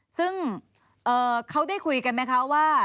ซึ่งเขาได้คุยกันไหมคะว่า